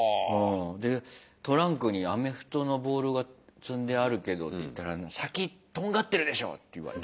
で「トランクにアメフトのボールが積んであるけど」って言ったら「先とんがってるでしょ」って言われた。